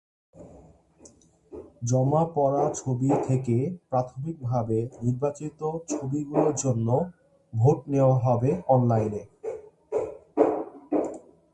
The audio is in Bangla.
জমা পড়া ছবি থেকে প্রাথমিকভাবে নির্বাচিত ছবিগুলোর জন্য ভোট নেওয়া হবে অনলাইনে।